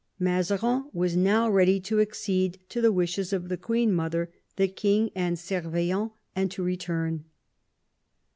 Mazarin was now ready to accede to the wishes of the queen mother, the king, and Servien, and to return.